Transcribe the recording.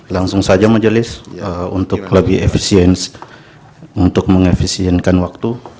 langsung saja majelis untuk lebih efisien untuk mengefisienkan waktu